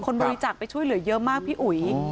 บริจาคไปช่วยเหลือเยอะมากพี่อุ๋ย